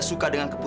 yang lack sempet